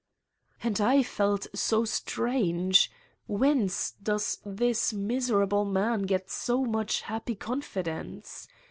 ... And I felt so strange : whence does this miserable man get so much happy confidence